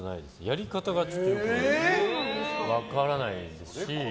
やり方がよく分からないですし。